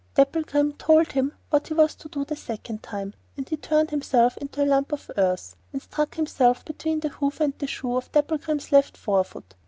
Dapplegrim told him what he was to do the second time, and he turned himself into a lump of earth, and stuck himself between the hoof and the shoe on Dapplegrim's left fore foot.